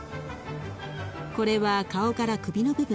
これは顔から首の部分。